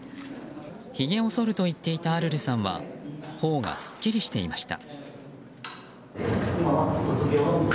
ひげをそると言っていたアルルさんは頬がすっきりしていました。